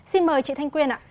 xin mời chị thanh quyên ạ